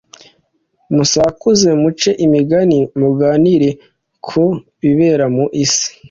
musakuze, muce imigani muganira ku bibera mu isi